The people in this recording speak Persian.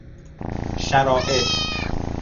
شرائط